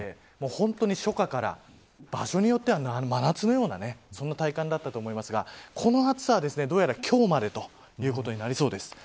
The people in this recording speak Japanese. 本当に初夏から場所によっては真夏のようなそんな体感だったと思いますが、この暑さはどうやら今日までということになりそうです。